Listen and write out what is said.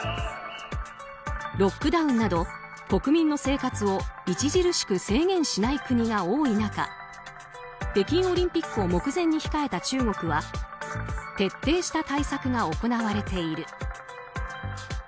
ロックダウンなど、国民の生活を著しく制限しない国が多い中北京オリンピックを目前に控えた中国は徹底した対策が行われている。